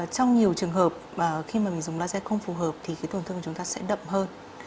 trong nhiều trường hợp mà khi mà mình dùng lotte không phù hợp thì cái tổn thương của chúng ta sẽ đậm hơn